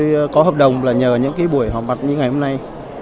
tôi có hợp đồng là nhờ những cái buổi họp mặt như ngày hôm nay